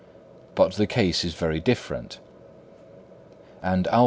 But the case is very different; and Alph.